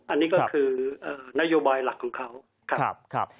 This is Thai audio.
อันนี้ก็คือนโยบายหลักของเขาครับ